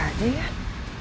apa dia udah dipindahin